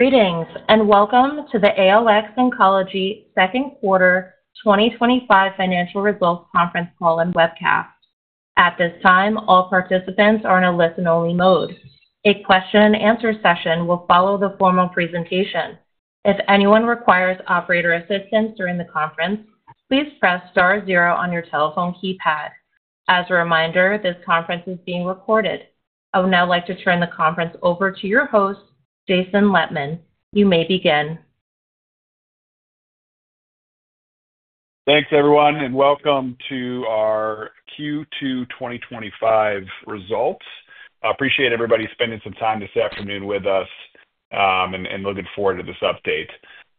Greetings and Welcome to the ALX Oncology Holdings Inc. Second Quarter 2025 financial results conference call and webcast. At this time, all participants are in a listen-only mode. A question-and-answer session will follow the formal presentation. If anyone requires operator assistance during the conference, please press *0 on your telephone keypad. As a reminder, this conference is being recorded. I would now like to turn the conference over to your host, Jason Lettmann. You may begin. Thanks, everyone, and Welcome to our Q2 2025 results. I appreciate everybody spending some time this afternoon with us, and looking forward to this update.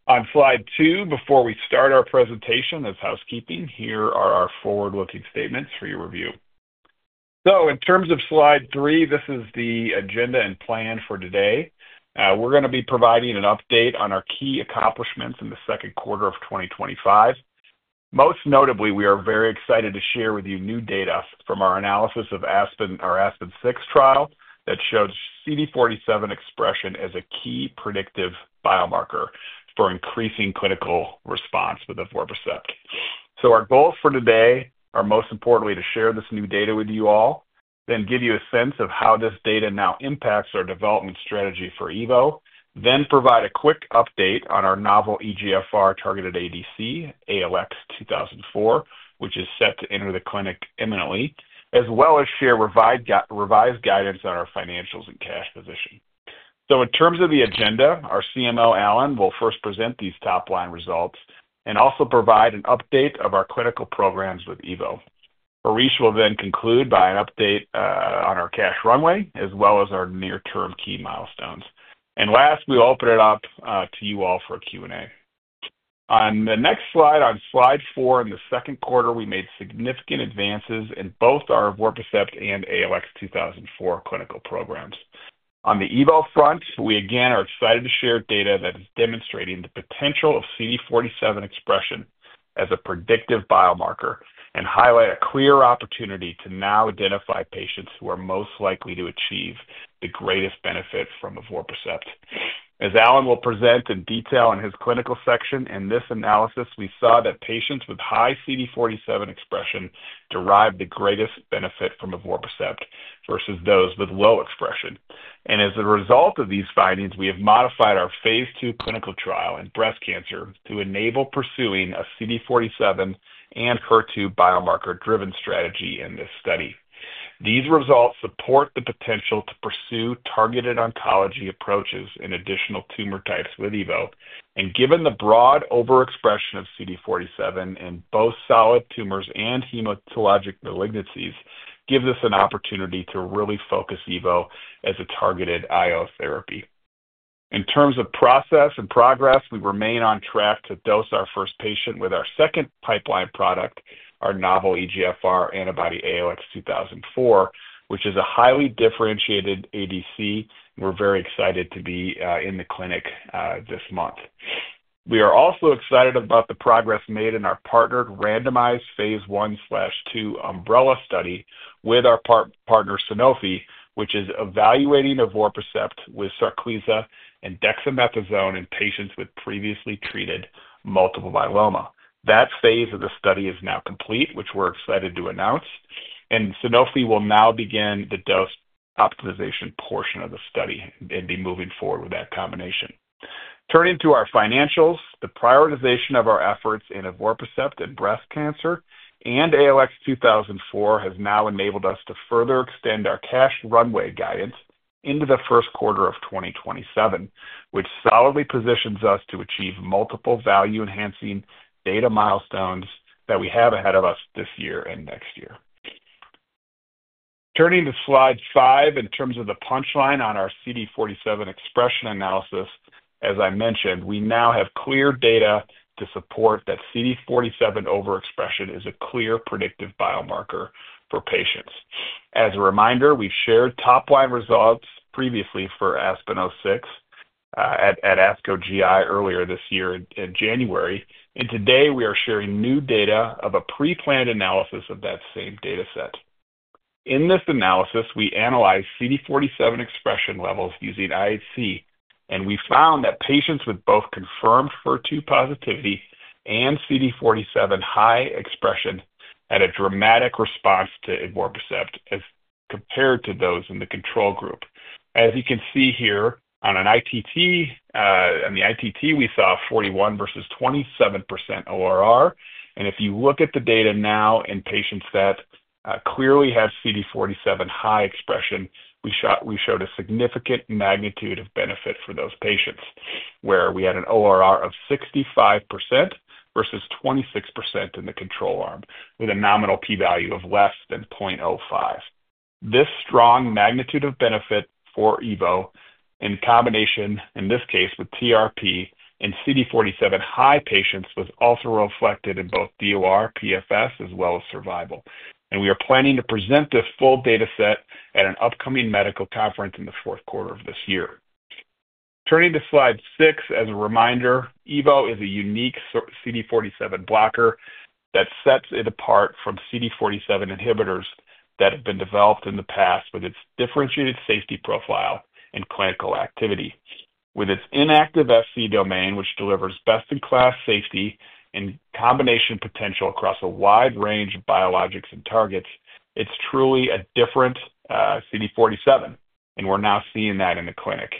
On slide two, before we start our presentation, as housekeeping, here are our forward-looking statements for your review. In terms of slide three, this is the agenda and plan for today. We're going to be providing an update on our key accomplishments in the second quarter of 2025. Most notably, we are very excited to share with you new data from our analysis of ASPEN, our ASPEN-06 trial, that shows CD47 expression as a key predictive biomarker for increasing clinical response with evorpacept. Our goals for today are, most importantly, to share this new data with you all, give you a sense of how this data now impacts our development strategy for EVO, provide a quick update on our novel EGFR-targeted ADC, ALX-2004, which is set to enter the clinic imminently, as well as share revised guidance on our financials and cash position. In terms of the agenda, our Chief Medical Officer, Alan, will first present these top-line results and also provide an update of our clinical programs with EVO. Harish will then conclude by an update on our cash runway, as well as our near-term key milestones. Last, we'll open it up to you all for a Q&A. On the next slide, on slide four in the second quarter, we made significant advances in both our evorpacept and ALX-2004 clinical programs. On the EVO front, we again are excited to share data that is demonstrating the potential of CD47 expression as a predictive biomarker and highlight a clear opportunity to now identify patients who are most likely to achieve the greatest benefit from evorpacept. As Alan will present in detail in his clinical section, in this analysis, we saw that patients with high CD47 expression derived the greatest benefit from evorpacept versus those with low expression. As a result of these findings, we have modified our phase II clinical trial in breast cancer to enable pursuing a CD47 and HER2 biomarker-driven strategy in this study. These results support the potential to pursue targeted oncology approaches in additional tumor types with EVO, and given the broad overexpression of CD47 in both solid tumors and hematologic malignancies, gives us an opportunity to really focus EVO as a targeted IO therapy. In terms of process and progress, we remain on track to dose our first patient with our second pipeline product, our novel EGFR antibody ALX-2004, which is a highly differentiated ADC, and we're very excited to be in the clinic this month. We are also excited about the progress made in our partnered randomized phase I/II UMBRELLA study with our partner Sanofi, which is evaluating evorpacept with SARCLISA and dexamethasone in patients with previously treated multiple myeloma. That phase of the study is now complete, which we're excited to announce, and Sanofi will now begin the dose optimization portion of the study and be moving forward with that combination. Turning to our financials, the prioritization of our efforts in evorpacept in breast cancer and ALX-2004 has now enabled us to further extend our cash runway guidance into the first quarter of 2027, which solidly positions us to achieve multiple value-enhancing data milestones that we have ahead of us this year and next year. Turning to slide five, in terms of the punchline on our CD47 expression analysis, as I mentioned, we now have clear data to support that CD47 overexpression is a clear predictive biomarker for patients. As a reminder, we've shared top-line results previously for ASPEN-06 at ASCO GI earlier this year in January, and today we are sharing new data of a pre-planned analysis of that same dataset. In this analysis, we analyzed CD47 expression levels using IHC, and we found that patients with both confirmed HER2 positivity and CD47 high expression had a dramatic response to evorpacept as compared to those in the control group. As you can see here, on an ITT, on the ITT, we saw 41% versus 27% ORR, and if you look at the data now in patients that clearly have CD47 high expression, we showed a significant magnitude of benefit for those patients, where we had an ORR of 65% versus 26% in the control arm, with a nominal p-value of less than 0.05. This strong magnitude of benefit for EVO in combination, in this case with TRP and CD47 high patients, was also reflected in both DOR, PFS, as well as survival. We are planning to present this full dataset at an upcoming medical conference in the fourth quarter of this year. Turning to slide six, as a reminder, EVO is a unique CD47 blocker that sets it apart from CD47 inhibitors that have been developed in the past with its differentiated safety profile and clinical activity. With its inactive Fc domain, which delivers best-in-class safety and combination potential across a wide range of biologics and targets, it's truly a different CD47, and we're now seeing that in the clinic.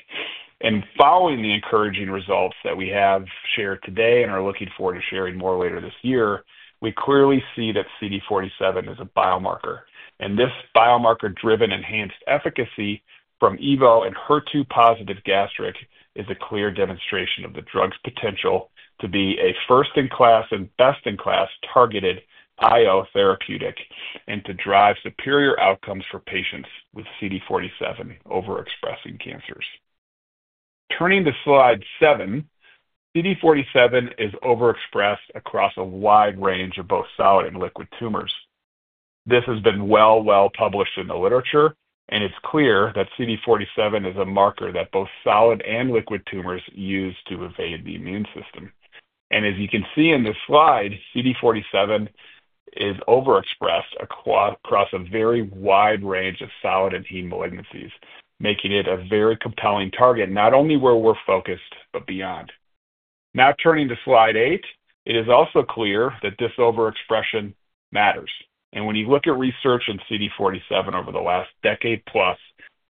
Following the encouraging results that we have shared today and are looking forward to sharing more later this year, we clearly see that CD47 is a biomarker, and this biomarker-driven enhanced efficacy from evorpacept and HER2-positive gastric is a clear demonstration of the drug's potential to be a first-in-class and best-in-class targeted immuno-oncology therapeutic and to drive superior outcomes for patients with CD47 overexpressing cancers. Turning to slide seven, CD47 is overexpressed across a wide range of both solid and liquid tumors. This has been well published in the literature, and it's clear that CD47 is a marker that both solid and liquid tumors use to evade the immune system. As you can see in this slide, CD47 is overexpressed across a very wide range of solid and hematologic malignancies, making it a very compelling target, not only where we're focused, but beyond. Now, turning to slide eight, it is also clear that this overexpression matters. When you look at research in CD47 over the last decade plus,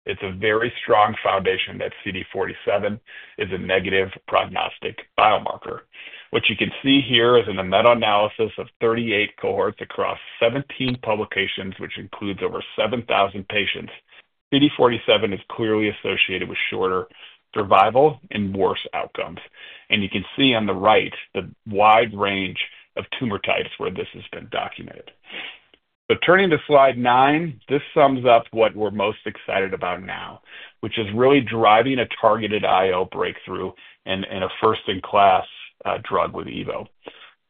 it's a very strong foundation that CD47 is a negative prognostic biomarker. What you can see here is in a meta-analysis of 38 cohorts across 17 publications, which includes over 7,000 patients, CD47 is clearly associated with shorter survival and worse outcomes. You can see on the right the wide range of tumor types where this has been documented. Turning to slide nine, this sums up what we're most excited about now, which is really driving a targeted immuno-oncology breakthrough and a first-in-class drug with evorpacept.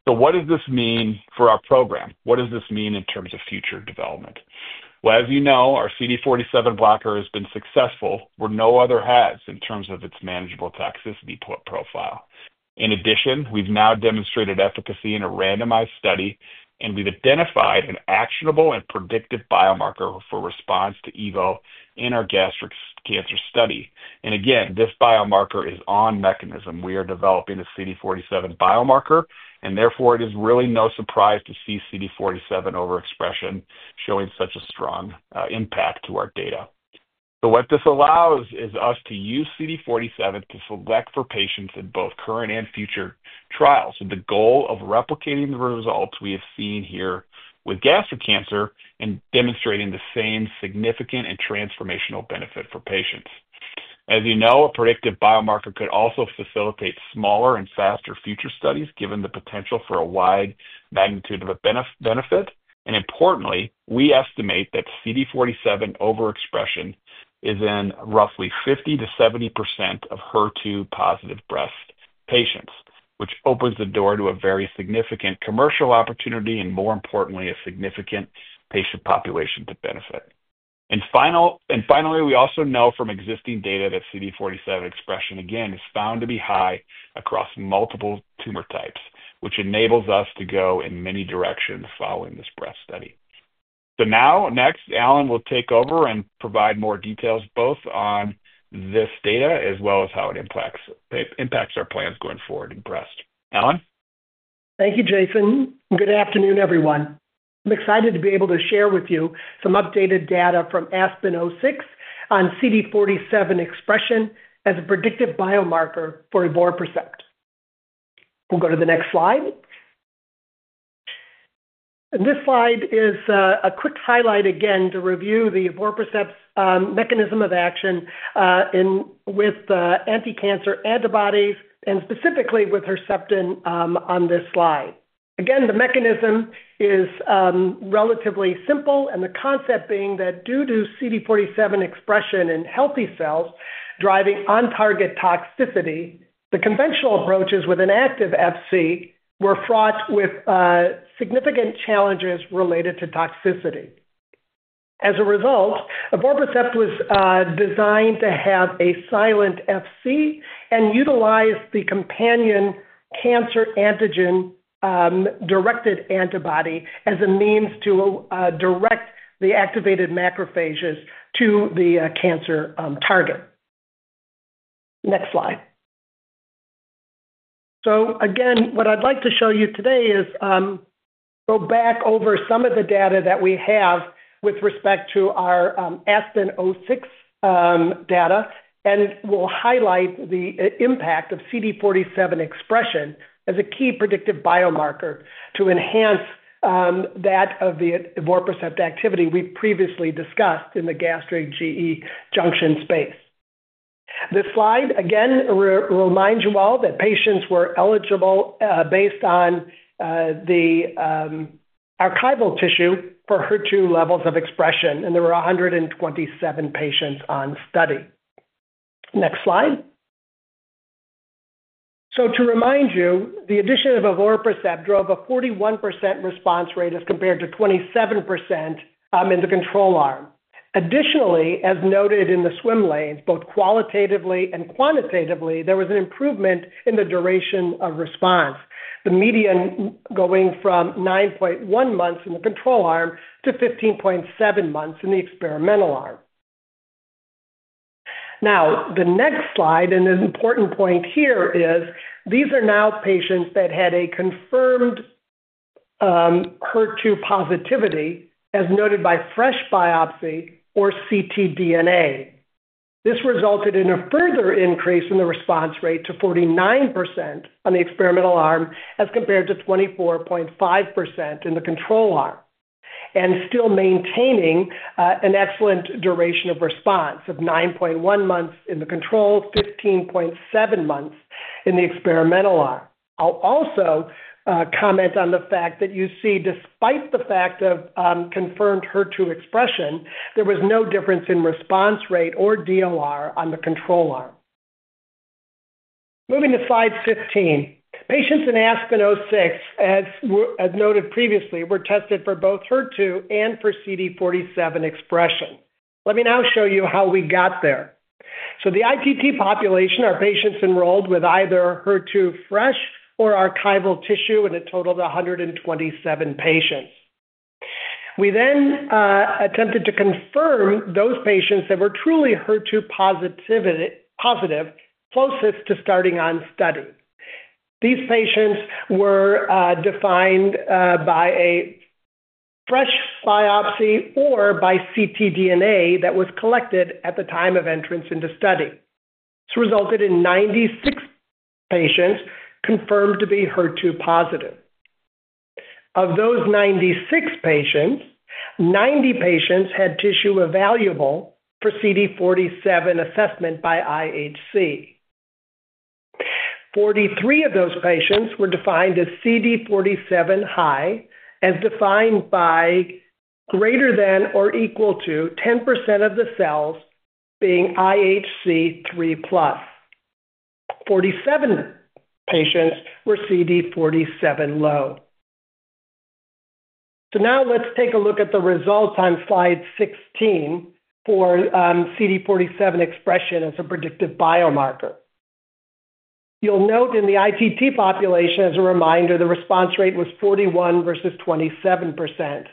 What does this mean for our program? What does this mean in terms of future development? As you know, our CD47 blocker has been successful where no other has in terms of its manageable toxicity profile. In addition, we've now demonstrated efficacy in a randomized study, and we've identified an actionable and predictive biomarker for response to evorpacept in our gastric cancer study. Again, this biomarker is on mechanism. We are developing a CD47 biomarker, and therefore, it is really no surprise to see CD47 overexpression showing such a strong impact to our data. What this allows is us to use CD47 to select for patients in both current and future trials, with the goal of replicating the results we have seen here with gastric cancer and demonstrating the same significant and transformational benefit for patients. As you know, a predictive biomarker could also facilitate smaller and faster future studies, given the potential for a wide magnitude of benefit. Importantly, we estimate that CD47 overexpression is in roughly 50% - 70% of HER2 positive breast patients, which opens the door to a very significant commercial opportunity and, more importantly, a significant patient population to benefit. We also know from existing data that CD47 expression, again, is found to be high across multiple tumor types, which enables us to go in many directions following this breast study. Next, Alan will take over and provide more details both on this data as well as how it impacts our plans going forward in breast. Alan? Thank you, Jason. Good afternoon, everyone. I'm excited to be able to share with you some updated data from ASPEN-06 on CD47 expression as a predictive biomarker for evorpacept. We'll go to the next slide. This slide is a quick highlight again to review the evorpacept mechanism of action with the anticancer antibodies, and specifically with Herceptin on this slide. The mechanism is relatively simple, and the concept being that due to CD47 expression in healthy cells driving on-target toxicity, the conventional approaches with inactive FC were fraught with significant challenges related to toxicity. As a result, evorpacept was designed to have a silent FC and utilize the companion cancer antigen-directed antibody as a means to direct the activated macrophages to the cancer target. Next slide. What I'd like to show you today is go back over some of the data that we have with respect to our ASPEN-06 data, and we'll highlight the impact of CD47 expression as a key predictive biomarker to enhance that of the evorpacept activity we've previously discussed in the gastric-GE junction space. This slide, again, reminds you all that patients were eligible based on the archival tissue for HER2 levels of expression, and there were 127 patients on study. Next slide. To remind you, the addition of evorpacept drove a 41% response rate as compared to 27% in the control arm. Additionally, as noted in the swim lanes, both qualitatively and quantitatively, there was an improvement in the duration of response, the median going from 9.1 months in the control arm to 15.7 months in the experimental arm. The next slide, and an important point here is these are now patients that had a confirmed HER2 positivity, as noted by fresh biopsy or ctDNA. This resulted in a further increase in the response rate to 49% on the experimental arm as compared to 24.5% in the control arm, and still maintaining an excellent duration of response of 9.1 months in the control, 15.7 months in the experimental arm. I'll also comment on the fact that you see, despite the fact of confirmed HER2 expression, there was no difference in response rate or DOR on the control arm. Moving to slide 15, patients in ASPEN-06, as noted previously, were tested for both HER2 and for CD47 expression. Let me now show you how we got there. The ITT population, our patients enrolled with either HER2 fresh or archival tissue, and it totaled 127 patients. We then attempted to confirm those patients that were truly HER2 positive, closest to starting on study. These patients were defined by a fresh biopsy or by ctDNA that was collected at the time of entrance into study. This resulted in 96 patients confirmed to be HER2 positive. Of those 96 patients, 90 patients had tissue available for CD47 assessment by IHC. 43 of those patients were defined as CD47 high, as defined by greater than or equal to 10% of the cells being IHC3+. 47 patients were CD47 low. Now let's take a look at the results on slide 16 for CD47 expression as a predictive biomarker. You'll note in the ITT population, as a reminder, the response rate was 41% versus 27%.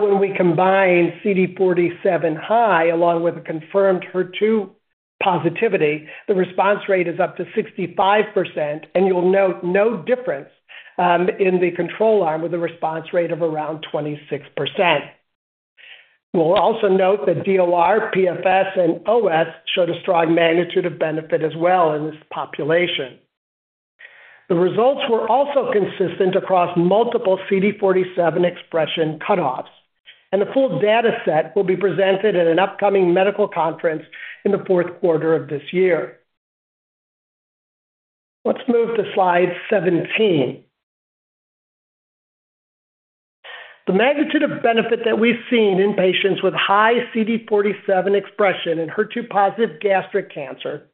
When we combine CD47 high along with a confirmed HER2 positivity, the response rate is up to 65%, and you'll note no difference in the control arm with a response rate of around 26%. We'll also note that DOR, PFS, and OS showed a strong magnitude of benefit as well in this population. The results were also consistent across multiple CD47 expression cutoffs, and a full dataset will be presented at an upcoming medical conference in the fourth quarter of this year. Let's move to slide 17. The magnitude of benefit that we've seen in patients with high CD47 expression in HER2 positive gastric cancer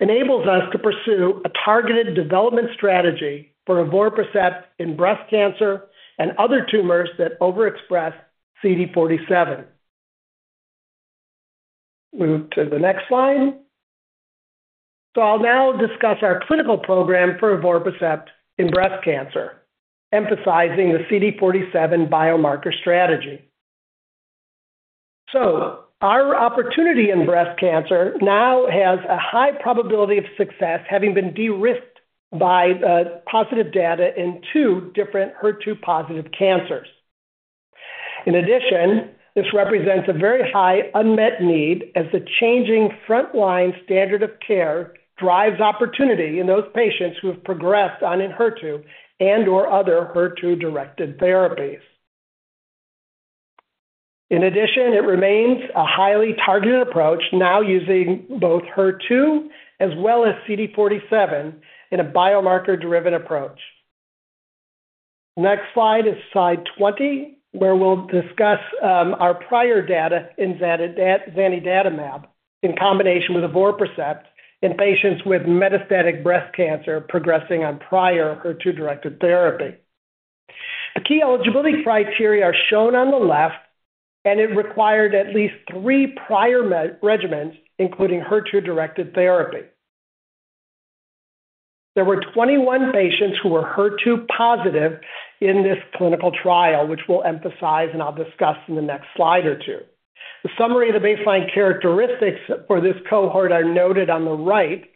enables us to pursue a targeted development strategy for evorpacept in breast cancer and other tumors that overexpress CD47. Move to the next slide. I'll now discuss our clinical program for evorpacept in breast cancer, emphasizing the CD47 biomarker strategy. Our opportunity in breast cancer now has a high probability of success, having been de-risked by positive data in two different HER2 positive cancers. In addition, this represents a very high unmet need as the changing front-line standard of care drives opportunity in those patients who have progressed on HER2 and/or other HER2-directed therapies. It remains a highly targeted approach, now using both HER2 as well as CD47 in a biomarker-driven approach. Next slide is slide 20, where we'll discuss our prior data in Zandatamab in combination with evorpacept in patients with metastatic breast cancer progressing on prior HER2-directed therapy. The key eligibility criteria are shown on the left, and it required at least three prior regimens, including HER2-directed therapy. There were 21 patients who were HER2 positive in this clinical trial, which we'll emphasize and I'll discuss in the next slide or two. The summary of the baseline characteristics for this cohort are noted on the right.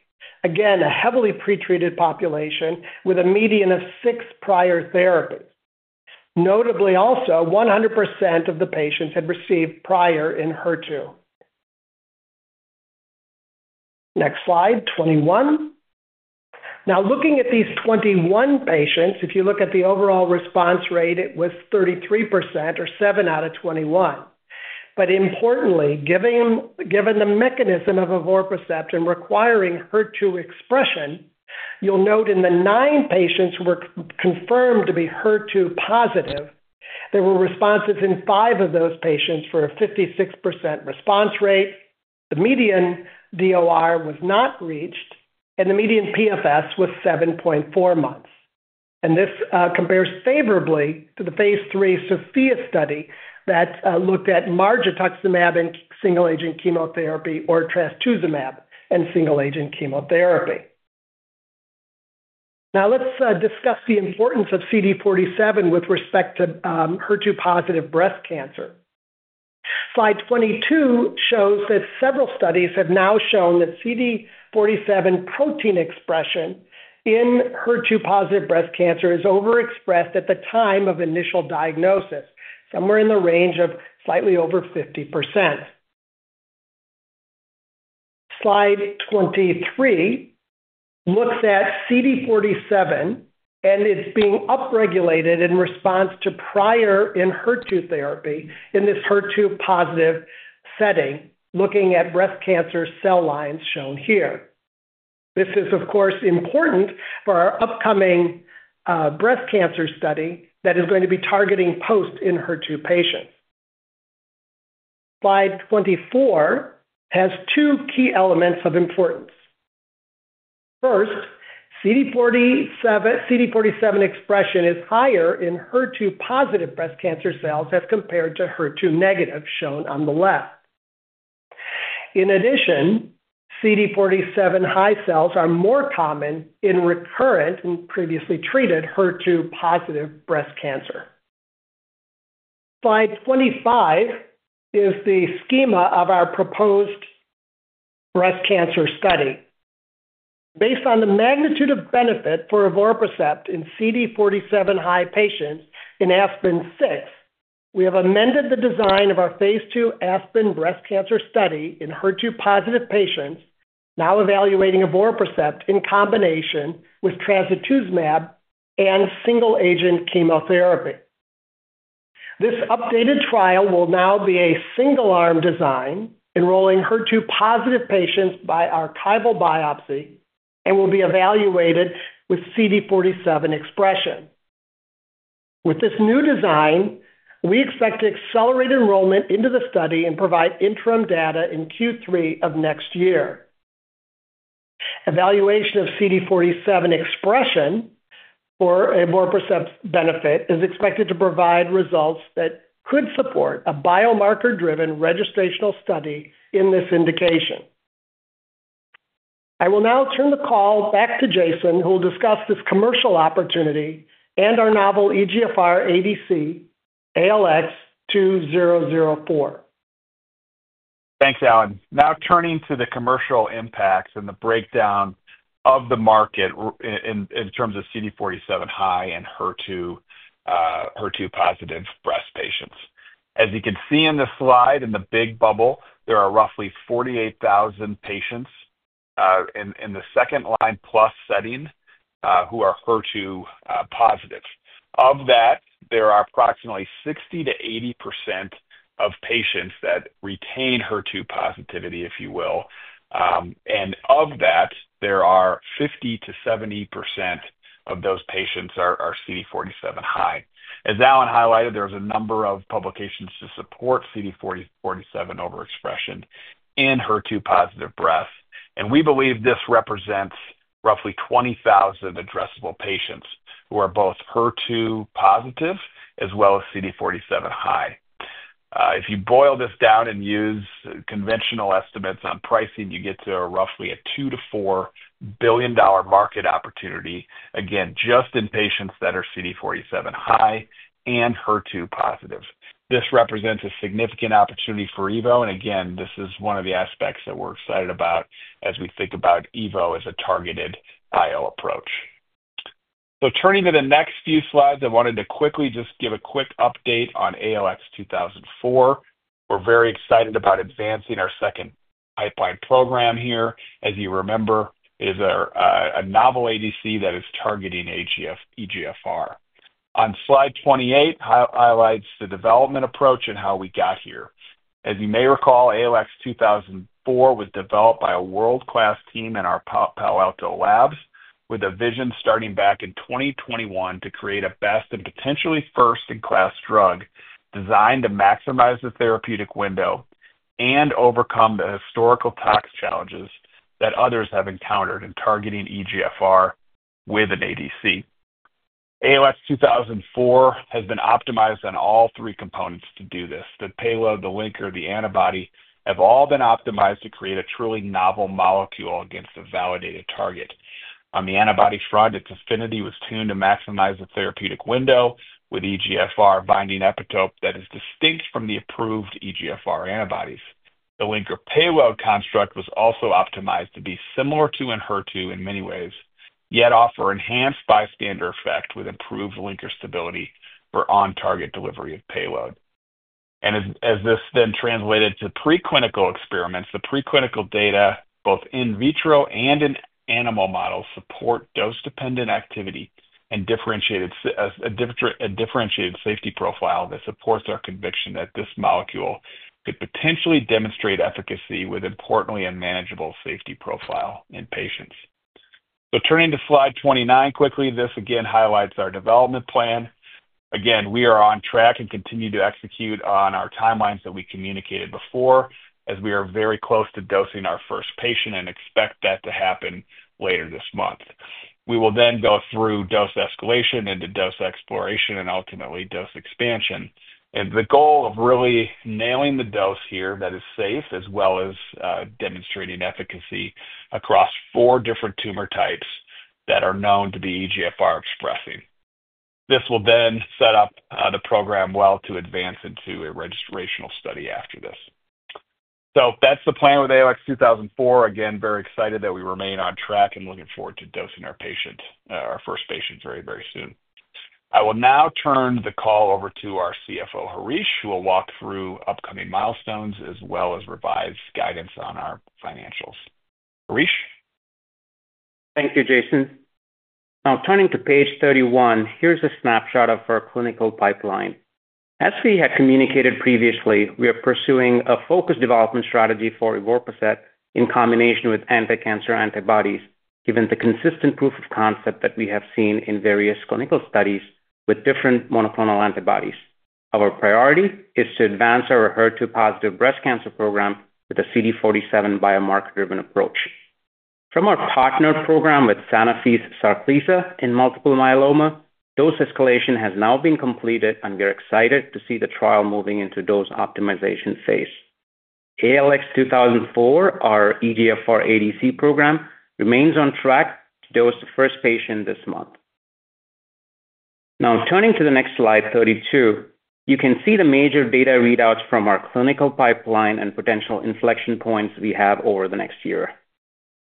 Again, a heavily pretreated population with a median of six prior therapies. Notably, also, 100% of the patients had received prior in HER2. Next slide, 21. Now, looking at these 21 patients, if you look at the overall response rate, it was 33% or 7 out of 21. Importantly, given the mechanism of evorpacept requiring HER2 expression, you'll note in the nine patients who were confirmed to be HER2 positive, there were responses in five of those patients for a 56% response rate. The median DOR was not reached, and the median PFS was 7.4 months. This compares favorably to the phase III SOFIA study that looked at marjotuximab and single-agent chemotherapy, or Trastuzumab and single-agent chemotherapy. Now, let's discuss the importance of CD47 with respect to HER2 positive breast cancer. Slide 22 shows that several studies have now shown that CD47 protein expression in HER2 positive breast cancer is overexpressed at the time of initial diagnosis, somewhere in the range of slightly over 50%. Slide 23 looks at CD47, and it's being upregulated in response to prior in HER2 therapy in this HER2 positive setting, looking at breast cancer cell lines shown here. This is, of course, important for our upcoming breast cancer study that is going to be targeting post in HER2 patients. Slide 24 has two key elements of importance. First, CD47 expression is higher in HER2 positive breast cancer cells as compared to HER2 negative, shown on the left. In addition, CD47 high cells are more common in recurrent and previously treated HER2 positive breast cancer. Slide 25 is the schema of our proposed breast cancer study. Based on the magnitude of benefit for evorpacept in CD47 high patients in ASPEN-06, we have amended the design of our phase II ASPEN breast cancer study in HER2 positive patients, now evaluating evorpacept in combination with trastuzumab and single-agent chemotherapy. This updated trial will now be a single-arm design, enrolling HER2 positive patients by archival biopsy, and will be evaluated with CD47 expression. With this new design, we expect to accelerate enrollment into the study and provide interim data in Q3 of next year. Evaluation of CD47 expression for evorpacept benefit is expected to provide results that could support a biomarker-driven registrational study in this indication. I will now turn the call back to Jason, who will discuss this commercial opportunity and our novel EGFR ADC, ALX-2004. Thanks, Alan. Now, turning to the commercial impacts and the breakdown of the market in terms of CD47 high and HER2 positive breast patients. As you can see in the slide, in the big bubble, there are roughly 48,000 patients in the second-line plus setting who are HER2 positive. Of that, there are approximately 60% - 80% of patients that retain HER2 positivity, if you will. Of that, there are 50% - 70% of those patients who are CD47 high. As Alan highlighted, there's a number of publications to support CD47 overexpression in HER2 positive breast, and we believe this represents roughly 20,000 addressable patients who are both HER2 positive as well as CD47 high. If you boil this down and use conventional estimates on pricing, you get to roughly a $2 billion to $4 billion market opportunity, again, just in patients that are CD47 high and HER2 positive. This represents a significant opportunity for evorpacept, and this is one of the aspects that we're excited about as we think about evorpacept as a targeted immuno-oncology approach. Turning to the next few slides, I wanted to quickly just give a quick update on ALX-2004. We're very excited about advancing our second pipeline program here. As you remember, it is a novel ADC that is targeting EGFR. On slide 28, it highlights the development approach and how we got here. As you may recall, ALX-2004 was developed by a world-class team in our Palo Alto labs, with a vision starting back in 2021 to create a best and potentially first-in-class drug designed to maximize the therapeutic window and overcome the historical tox challenges that others have encountered in targeting EGFR with an ADC. ALX-2004 has been optimized on all three components to do this. The payload, the linker, the antibody have all been optimized to create a truly novel molecule against a validated target. On the antibody front, its affinity was tuned to maximize the therapeutic window, with EGFR binding epitope that is distinct from the approved EGFR antibodies. The linker payload construct was also optimized to be similar to in HER2 in many ways, yet offer enhanced bystander effect with improved linker stability for on-target delivery of payload. As this then translated to preclinical experiments, the preclinical data, both in vitro and in animal models, support dose-dependent activity and differentiated safety profile that supports our conviction that this molecule could potentially demonstrate efficacy with, importantly, a manageable safety profile in patients. Turning to slide 29 quickly, this again highlights our development plan. We are on track and continue to execute on our timelines that we communicated before, as we are very close to dosing our first patient and expect that to happen later this month. We will then go through dose escalation into dose exploration and ultimately dose expansion, and the goal of really nailing the dose here that is safe, as well as demonstrating efficacy across four different tumor types that are known to be EGFR expressing. This will then set up the program well to advance into a registrational study after this. That is the plan with ALX-2004. We remain on track and looking forward to dosing our first patient very, very soon. I will now turn the call over to our CFO, Harish, who will walk through upcoming milestones as well as revise guidance on our financials. Harish? Thank you, Jason. Now, turning to page 31, here's a snapshot of our clinical pipeline. As we had communicated previously, we are pursuing a focused development strategy for evorpacept in combination with anticancer antibodies, given the consistent proof of concept that we have seen in various clinical studies with different monoclonal antibodies. Our priority is to advance our HER2 positive breast cancer program with a CD47 biomarker-driven approach. From our partnered program with Sanofi's Sarclisa in multiple myeloma, dose escalation has now been completed, and we are excited to see the trial moving into dose optimization phase. ALX-2004, our EGFR ADC program, remains on track to dose the first patient this month. Now, turning to the next slide, 32, you can see the major data readouts from our clinical pipeline and potential inflection points we have over the next year.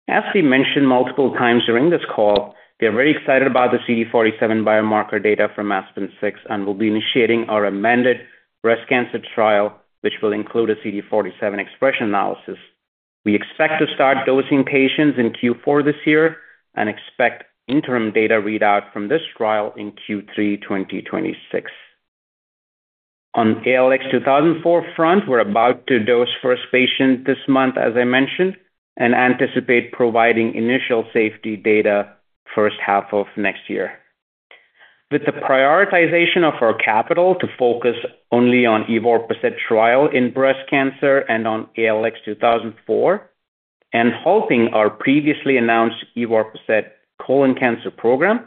As we mentioned multiple times during this call, we are very excited about the CD47 biomarker data from ASPEN-06, and we'll be initiating our amended breast cancer trial, which will include a CD47 expression analysis. We expect to start dosing patients in Q4 this year and expect interim data readout from this trial in Q3 2026. On the ALX-2004 front, we're about to dose first patient this month, as I mentioned, and anticipate providing initial safety data first half of next year. With the prioritization of our capital to focus only on evorpacept trial in breast cancer and on ALX-2004, and halting our previously announced evorpacept colon cancer program,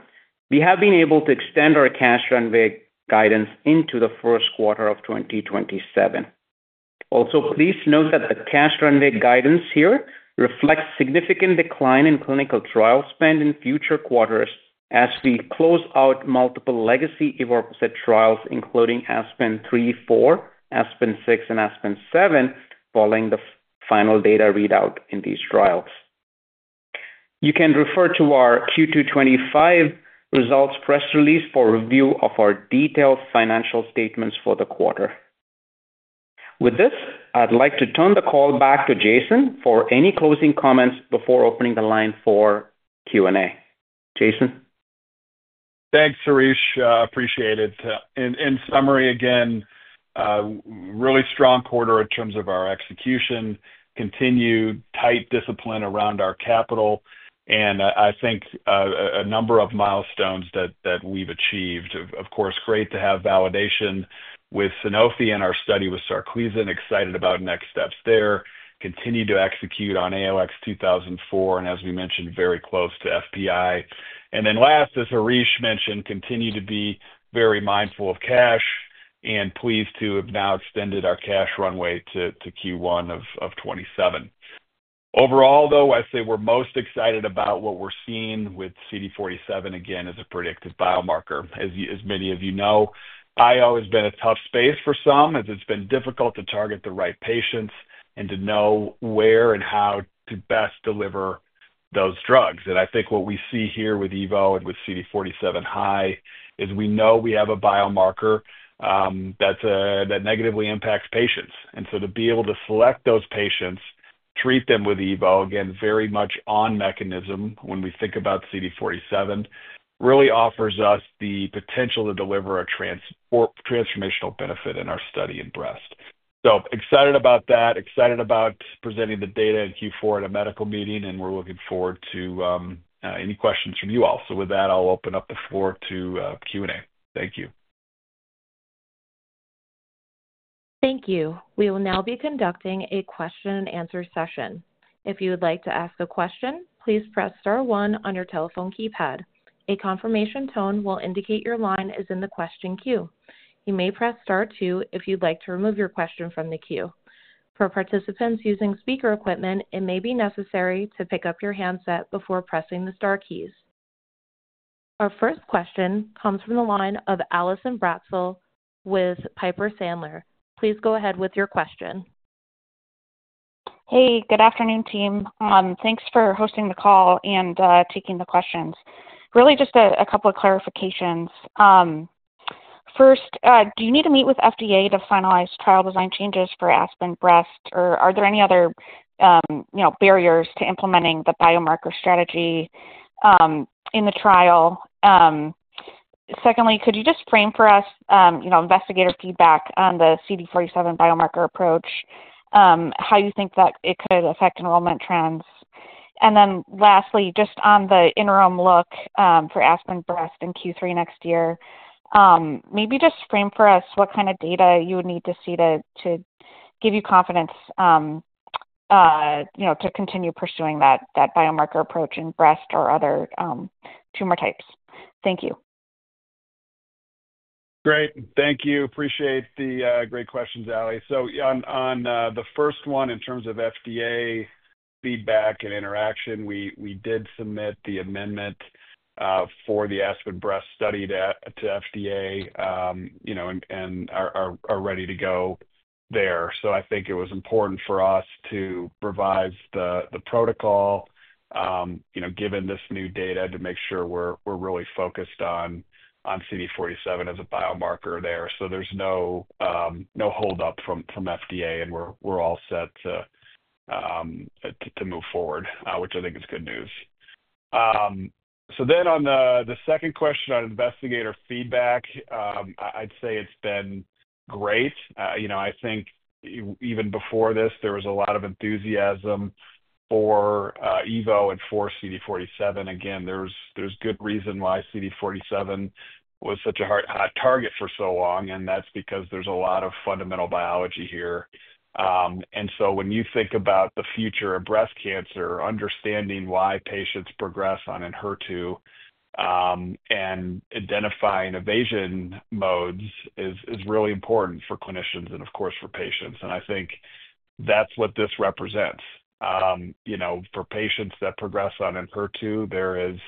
we have been able to extend our cash runway guidance into the first quarter of 2027. Also, please note that the cash runway guidance here reflects significant decline in clinical trial spend in future quarters as we close out multiple legacy evorpacept trials, including ASPEN-03, ASPEN-06, and ASPEN-07, following the final data readout in these trials. You can refer to our Q2 2025 results press release for review of our detailed financial statements for the quarter. With this, I'd like to turn the call back to Jason for any closing comments before opening the line for Q&A. Jason? Thanks, Harish. Appreciate it. In summary, again, really strong quarter in terms of our execution, continued tight discipline around our capital, and I think a number of milestones that we've achieved. Of course, great to have validation with Sanofi in our study with Sarclisa, and excited about next steps there. Continue to execute on ALX-2004, and as we mentioned, very close to FPI. Last, as Harish mentioned, continue to be very mindful of cash, and pleased to have now extended our cash runway to Q1 of 2027. Overall, though, I say we're most excited about what we're seeing with CD47 again as a predictive biomarker. As many of you know, IO has been a tough space for some, as it's been difficult to target the right patients and to know where and how to best deliver those drugs. I think what we see here with EVO and with CD47 high is we know we have a biomarker that negatively impacts patients. To be able to select those patients, treat them with EVO, again, very much on mechanism when we think about CD47, really offers us the potential to deliver a transformational benefit in our study in breast. Excited about that, excited about presenting the data in Q4 at a medical meeting, and we're looking forward to any questions from you all. With that, I'll open up the floor to Q&A. Thank you. Thank you. We will now be conducting a question-and-answer session. If you would like to ask a question, please press star one on your telephone keypad. A confirmation tone will indicate your line is in the question queue. You may press star two if you'd like to remove your question from the queue. For participants using speaker equipment, it may be necessary to pick up your handset before pressing the star keys. Our first question comes from the line of Allison Bratzel with Piper Sandler. Please go ahead with your question. Hey, good afternoon, team. Thanks for hosting the call and taking the questions. Really, just a couple of clarifications. First, do you need to meet with FDA to finalize trial design changes for ASPEN-06, or are there any other barriers to implementing the biomarker-driven approach in the trial? Secondly, could you just frame for us investigative feedback on the CD47 biomarker approach, how you think that it could affect enrollment trends? Lastly, just on the interim look for ASPEN-06 in Q3 next year, maybe just frame for us what kind of data you would need to see to give you confidence to continue pursuing that biomarker-driven approach in breast or other tumor types. Thank you. Great. Thank you. Appreciate the great questions, Ally. On the first one, in terms of FDA feedback and interaction, we did submit the amendment for the ASPEN-06 breast study to FDA, you know, and are ready to go there. I think it was important for us to revise the protocol, you know, given this new data to make sure we're really focused on CD47 as a biomarker there. There's no holdup from FDA, and we're all set to move forward, which I think is good news. On the second question on investigator feedback, I'd say it's been great. I think even before this, there was a lot of enthusiasm for evorpacept and for CD47. There's good reason why CD47 was such a hot target for so long, and that's because there's a lot of fundamental biology here. When you think about the future of breast cancer, understanding why patients progress on in HER2 and identifying evasion modes is really important for clinicians and, of course, for patients. I think that's what this represents. For patients that progress on in HER2, there is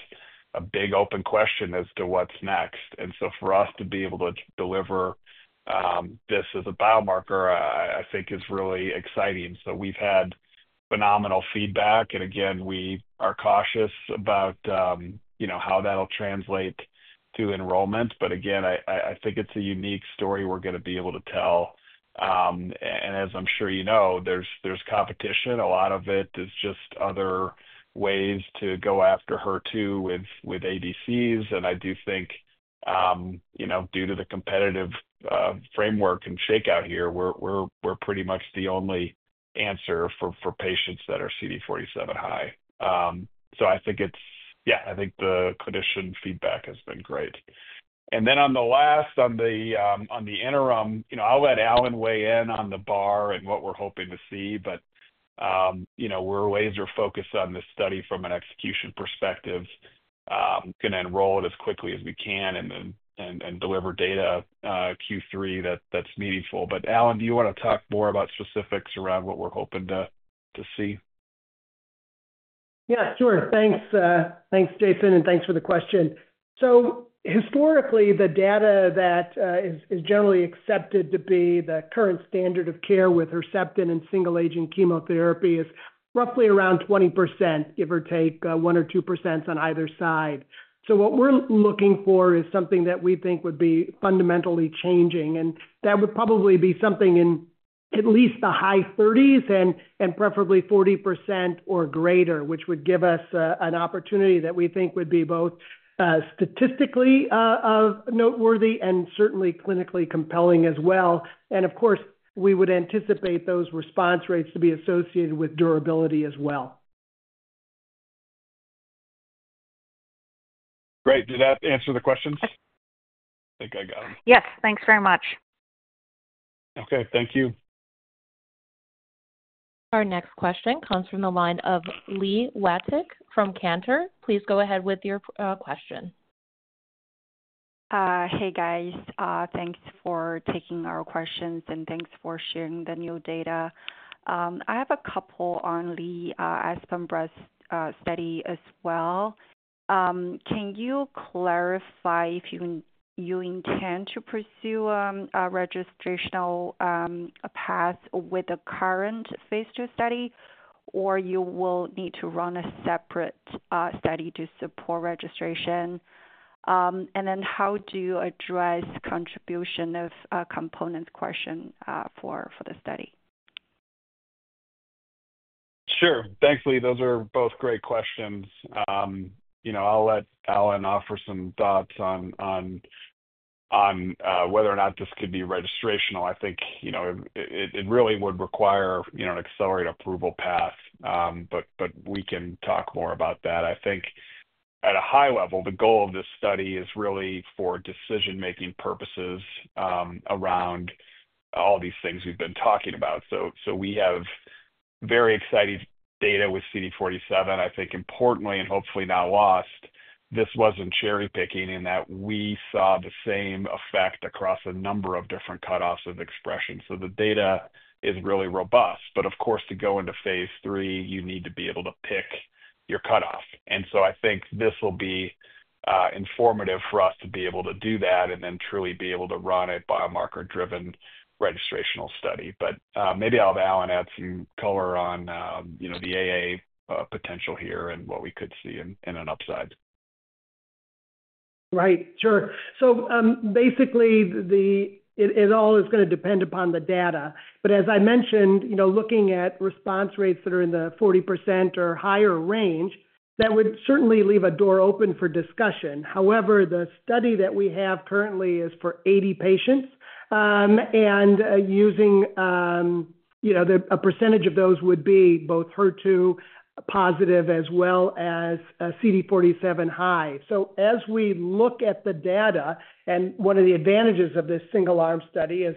a big open question as to what's next. For us to be able to deliver this as a biomarker, I think is really exciting. We've had phenomenal feedback, and again, we are cautious about, you know, how that'll translate to enrollment. I think it's a unique story we're going to be able to tell. As I'm sure you know, there's competition. A lot of it is just other ways to go after HER2 with ADCs, and I do think, you know, due to the competitive framework and shakeout here, we're pretty much the only answer for patients that are CD47 high. I think the clinician feedback has been great. On the last, on the interim, I'll let Alan weigh in on the bar and what we're hoping to see, but you know, we're laser-focused on this study from an execution perspective. Going to enroll it as quickly as we can and deliver data Q3 that's meaningful. Alan, do you want to talk more about specifics around what we're hoping to see? Yeah, sure. Thanks, Jason, and thanks for the question. Historically, the data that is generally accepted to be the current standard of care with Herceptin and single-agent chemotherapy is roughly around 20%, give or take 1% or 2% on either side. What we're looking for is something that we think would be fundamentally changing, and that would probably be something in at least the high 30s and preferably 40% or greater, which would give us an opportunity that we think would be both statistically noteworthy and certainly clinically compelling as well. Of course, we would anticipate those response rates to be associated with durability as well. Great. Did that answer the questions? I think I got them. Yes, thanks very much. Okay, thank you. Our next question comes from the line of Li Watsek from Cantor Fitzgerald. Please go ahead with your question. Hey, guys. Thanks for taking our questions and thanks for sharing the new data. I have a couple on the ASPEN-06 study as well. Can you clarify if you intend to pursue a registrational path with the current phase II study, or you will need to run a separate study to support registration? How do you address contribution of components question for the study? Sure. Thanks, Li. Those are both great questions. I'll let Alan offer some thoughts on whether or not this could be registrational. I think it really would require an accelerated approval path, but we can talk more about that. At a high level, the goal of this study is really for decision-making purposes around all these things we've been talking about. We have very exciting data with CD47. Importantly, and hopefully not lost, this wasn't cherry-picking in that we saw the same effect across a number of different cutoffs of expression. The data is really robust, but of course, to go into phase III, you need to be able to pick your cutoff. I think this will be informative for us to be able to do that and then truly be able to run a biomarker-driven registrational study. Maybe I'll let Alan add some color on the AA potential here and what we could see in an upside. Right, sure. Basically, it all is going to depend upon the data. As I mentioned, looking at response rates that are in the 40% or higher range, that would certainly leave a door open for discussion. However, the study that we have currently is for 80 patients, and using a percentage of those would be both HER2 positive as well as CD47 high. As we look at the data, one of the advantages of this single-arm study is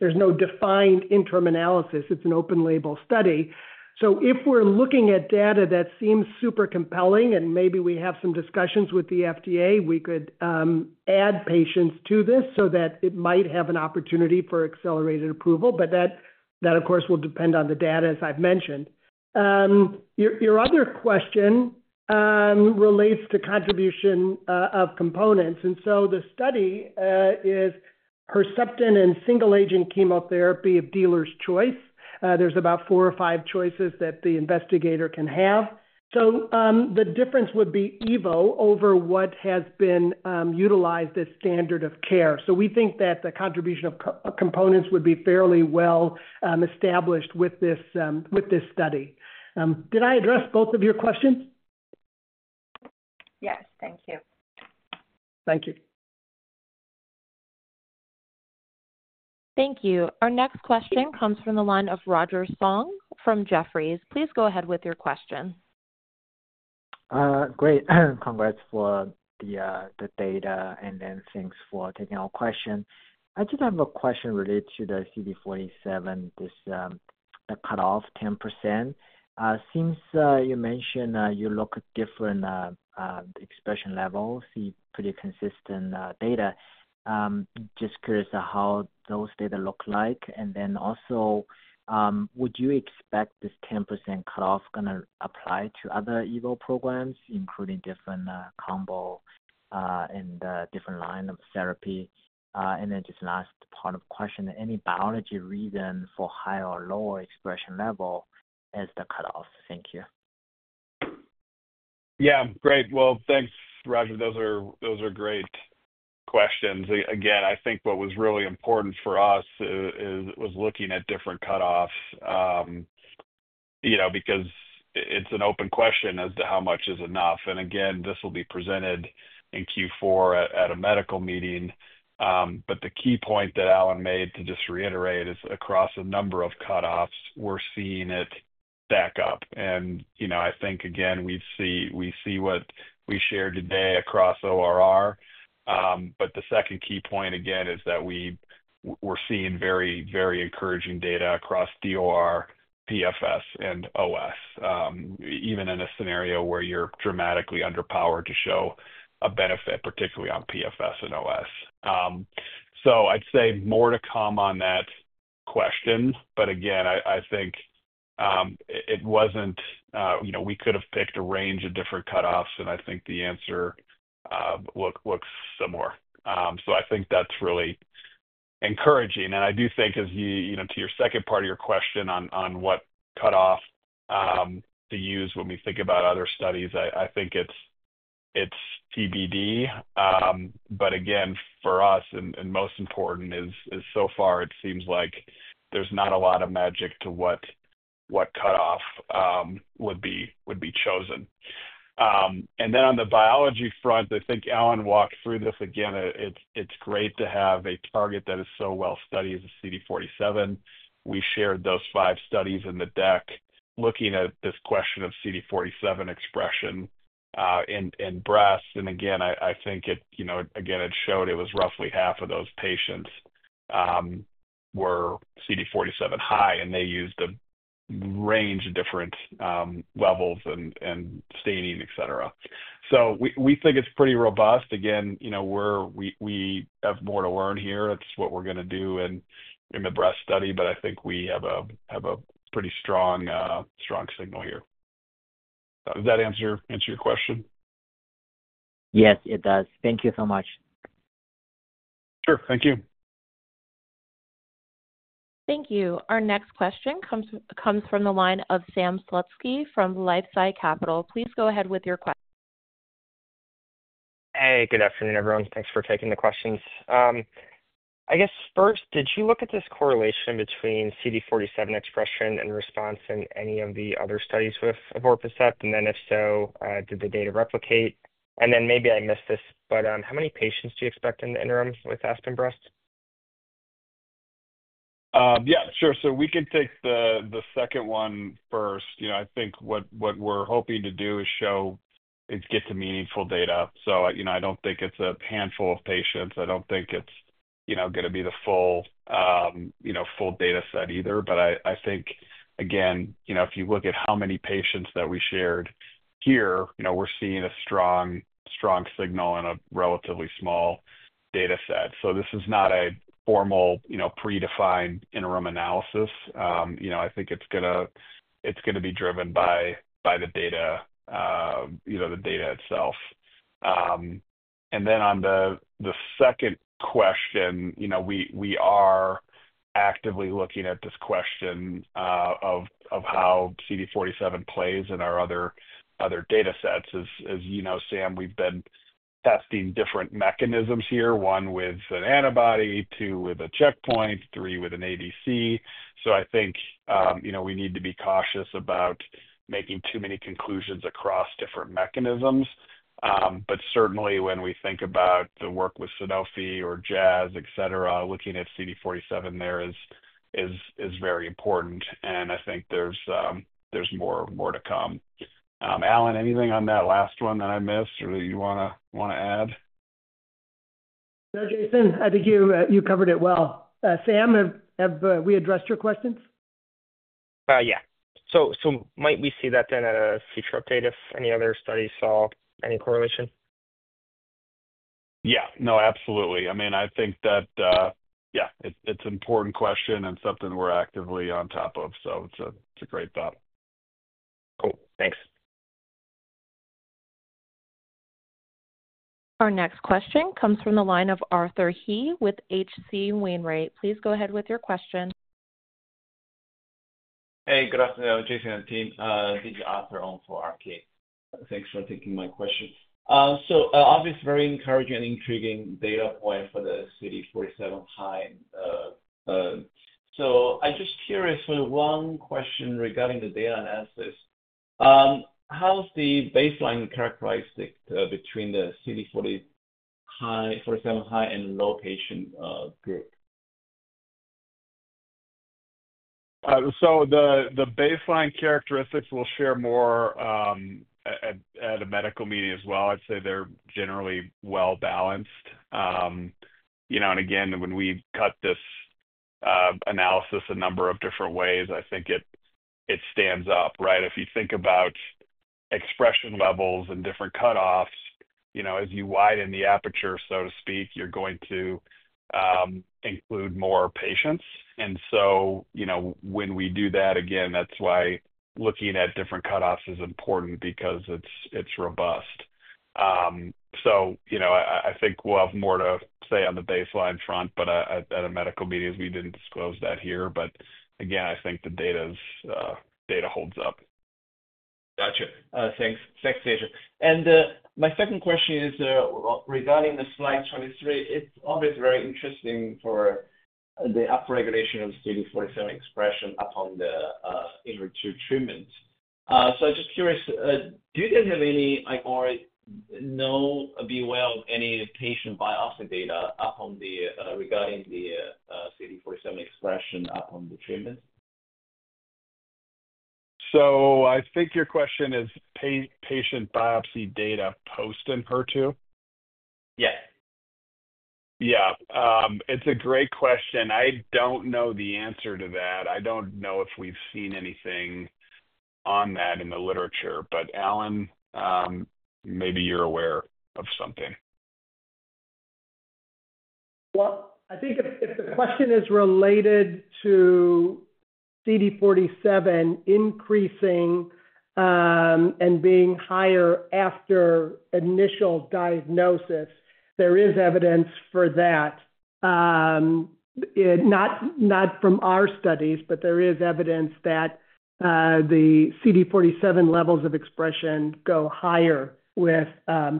there's no defined interim analysis. It's an open-label study. If we're looking at data that seems super compelling, and maybe we have some discussions with the FDA, we could add patients to this so that it might have an opportunity for accelerated approval, but that, of course, will depend on the data, as I've mentioned. Your other question relates to contribution of components. The study is Herceptin and single-agent chemotherapy of dealer's choice. There's about four or five choices that the investigator can have. The difference would be evorpacept over what has been utilized as standard of care. We think that the contribution of components would be fairly well established with this study. Did I address both of your questions? Yes, thank you. Thank you. Thank you. Our next question comes from the line of Roger Song from Jefferies. Please go ahead with your question. Great. Congrats for the data, and then thanks for taking our question. I just have a question related to the CD47, this cutoff 10%. Since you mentioned you look at different expression levels, you have pretty consistent data. Just curious how those data look like. Also, would you expect this 10% cutoff going to apply to other evorpacept programs, including different combo and different line of therapy? Just the last part of the question, any biology reason for high or low expression level as the cutoff? Thank you. Yeah, great. Thanks, Roger. Those are great questions. I think what was really important for us was looking at different cutoffs, because it's an open question as to how much is enough. This will be presented in Q4 at a medical meeting. The key point that Alan made, to just reiterate, is across a number of cutoffs, we're seeing it stack up. I think we see what we shared today across ORR. The second key point is that we're seeing very, very encouraging data across DOR, PFS, and OS, even in a scenario where you're dramatically underpowered to show a benefit, particularly on PFS and OS. I'd say more to come on that question. I think it wasn't, you know, we could have picked a range of different cutoffs, and I think the answer looks similar. That's really encouraging. I do think, to your second part of your question on what cutoff to use when we think about other studies, I think it's TBD. For us, most important is so far, it seems like there's not a lot of magic to what cutoff would be chosen. On the biology front, I think Alan walked through this. It's great to have a target that is so well studied as CD47. We shared those five studies in the deck looking at this question of CD47 expression in breast. I think it showed it was roughly half of those patients were CD47 high, and they used a range of different levels and staining, et cetera. We think it's pretty robust. We have more to learn here. It's what we're going to do in the breast study, but I think we have a pretty strong signal here. Does that answer your question? Yes, it does. Thank you so much. Sure, thank you. Thank you. Our next question comes from the line of Sam Slutsky from LifeSci Capital. Please go ahead with your question. Hey, good afternoon, everyone. Thanks for taking the questions. I guess first, did you look at this correlation between CD47 expression and response in any of the other studies with evorpacept? If so, did the data replicate? Maybe I missed this, but how many patients do you expect in the interim with ASPEN-06 breast? Yeah, sure. We could take the second one first. I think what we're hoping to do is show, is get the meaningful data. I don't think it's a handful of patients. I don't think it's going to be the full, full dataset either. I think, again, if you look at how many patients that we shared here, we're seeing a strong, strong signal in a relatively small dataset. This is not a formal, predefined interim analysis. I think it's going to be driven by the data, the data itself. On the second question, we are actively looking at this question of how CD47 plays in our other datasets. As you know, Sam, we've been testing different mechanisms here, one with an antibody, two with a checkpoint, three with an ADC. I think we need to be cautious about making too many conclusions across different mechanisms. Certainly, when we think about the work with Sanofi or JAS, et cetera, looking at CD47 there is very important. I think there's more to come. Alan, anything on that last one that I missed or that you want to add? No, Jason, I think you covered it well. Sam, have we addressed your questions? Might we see that at a future update if any other studies saw any correlation? Absolutely. I think that it's an important question and something we're actively on top of. It's a great thought. Cool, thanks. Our next question comes from the line of Arthur He with H.C. Wainwright. Please go ahead with your question. Hey, good afternoon, Jason and team. This is Arthur on for RK. Thanks for taking my question. Obviously, very encouraging and intriguing data point for the CD47 high. I'm just curious for one question regarding the data analysis. How's the baseline characteristic between the CD47 high and low patient group? The baseline characteristics we'll share more at a medical meeting as well. I'd say they're generally well balanced. When we cut this analysis a number of different ways, I think it stands up, right? If you think about expression levels and different cutoffs, as you widen the aperture, so to speak, you're going to include more patients. When we do that, that's why looking at different cutoffs is important because it's robust. I think we'll have more to say on the baseline front at a medical meeting, as we didn't disclose that here. I think the data holds up. Gotcha. Thanks, Jason. My second question is regarding slide 23. It's always very interesting for the upregulation of CD47 expression upon the in-reg two treatment. I'm just curious, do you guys have any, or know or be aware of any patient biopsy data regarding the CD47 expression upon the treatment? I think your question is patient biopsy data post in HER2? Yes. Yeah, it's a great question. I don't know the answer to that. I don't know if we've seen anything on that in the literature. Alan, maybe you're aware of something. I think if the question is related to CD47 increasing and being higher after initial diagnosis, there is evidence for that. Not from our studies, but there is evidence that the CD47 levels of expression go higher with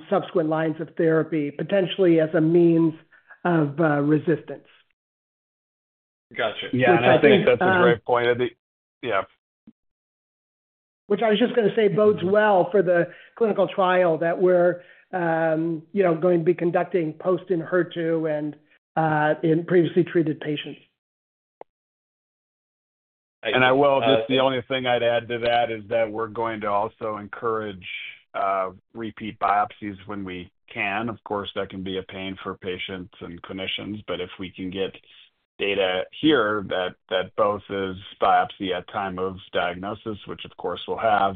subsequent lines of therapy, potentially as a means of resistance. Gotcha. I think that's a great point. Yeah. Which I was just going to say bodes well for the clinical trial that we're going to be conducting post in HER2 and in previously treated patients. The only thing I'd add to that is that we're going to also encourage repeat biopsies when we can. Of course, that can be a pain for patients and clinicians. If we can get data here that both is biopsy at time of diagnosis, which of course we'll have,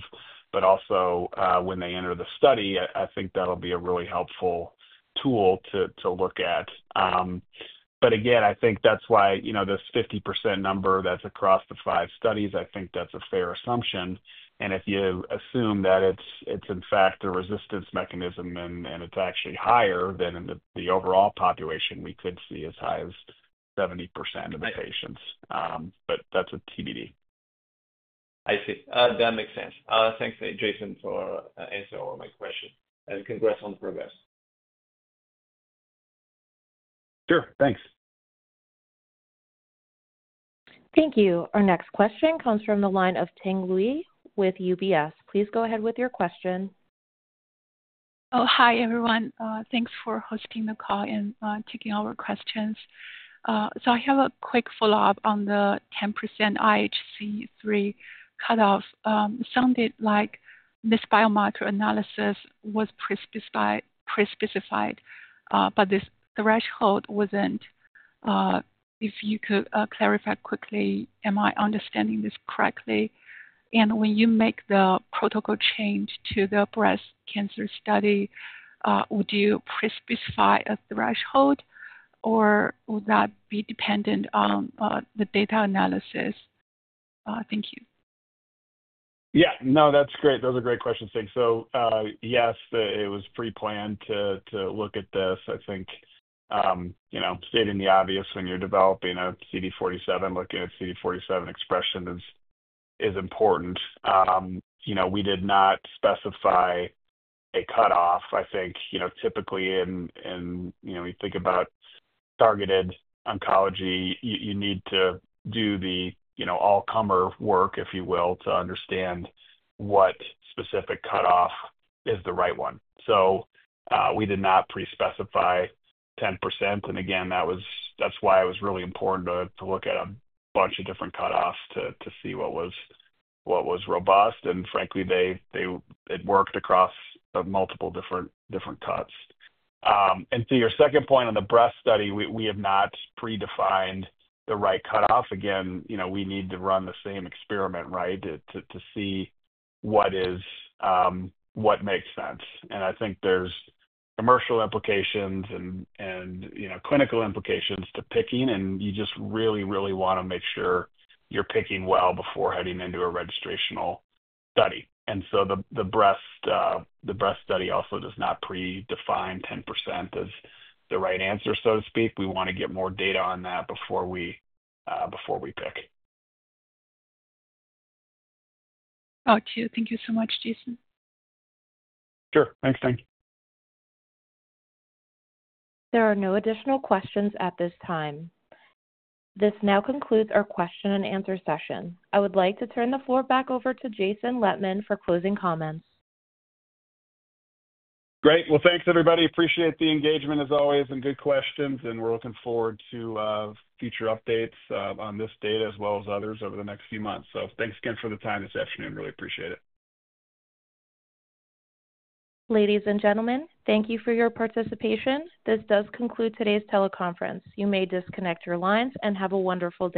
but also when they enter the study, I think that'll be a really helpful tool to look at. I think that's why, you know, this 50% number that's across the five studies, I think that's a fair assumption. If you assume that it's in fact a resistance mechanism and it's actually higher than the overall population, we could see as high as 70% of the patients. That's a TBD. I see. That makes sense. Thank you, Jason, for answering all my questions. Congratulations on the progress. Sure, thanks. Thank you. Our next question comes from the line of Ting Liu with UBS. Please go ahead with your question. Hi everyone. Thanks for hosting the call and taking all our questions. I have a quick follow-up on the 10% IHC3 cutoff. It sounded like this biomarker analysis was pre-specified, but this threshold wasn't. If you could clarify quickly, am I understanding this correctly? When you make the protocol change to the breast cancer study, would you pre-specify a threshold, or would that be dependent on the data analysis? Thank you. Yeah, no, that's great. Those are great questions. Thanks. Yes, it was pre-planned to look at this. I think, you know, stating the obvious when you're developing a CD47, looking at CD47 expression is important. We did not specify a cutoff. I think, you know, typically in, you know, you think about targeted oncology, you need to do the, you know, all-comer work, if you will, to understand what specific cutoff is the right one. We did not pre-specify 10%. That was why it was really important to look at a bunch of different cutoffs to see what was robust. Frankly, it worked across multiple different cuts. To your second point on the breast study, we have not pre-defined the right cutoff. Again, you know, we need to run the same experiment, right, to see what makes sense. I think there's commercial implications and, you know, clinical implications to picking. You just really, really want to make sure you're picking well before heading into a registrational study. The breast study also does not pre-define 10% as the right answer, so to speak. We want to get more data on that before we pick. Gotcha. Thank you so much, Jason. Sure, thank you. There are no additional questions at this time. This now concludes our question-and-answer session. I would like to turn the floor back over to Jason Lettmann for closing comments. Great. Thank you, everybody. Appreciate the engagement as always and good questions. We're looking forward to future updates on this data as well as others over the next few months. Thank you again for the time this afternoon. Really appreciate it. Ladies and gentlemen, thank you for your participation. This does conclude today's teleconference. You may disconnect your lines and have a wonderful day.